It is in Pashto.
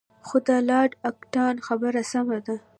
خو د لارډ اکټان خبره سمه ده.